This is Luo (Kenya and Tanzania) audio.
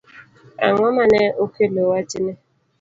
Ang'o mane okelo wachni?